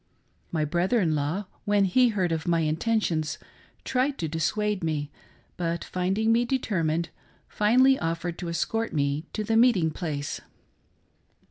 My brother in law, when he heard of my intentions, tried to dissuade me, but, finding me determined, finally offered to escort me to the meeting place.